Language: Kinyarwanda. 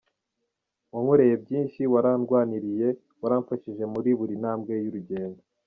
Wankoreye byinshi, warandwaniriye, waramfashije muri buri ntambwe y’urugendo.